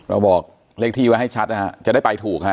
บอกเลขที่ไว้ให้ชัดนะฮะจะได้ไปถูกฮะ